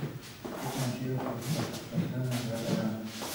Fue conocido por su participación en Rata Blanca.